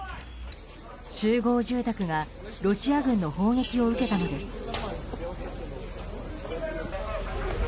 集合住宅がロシア軍の砲撃を受けたのです。